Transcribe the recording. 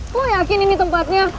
lu yakin ini tempatnya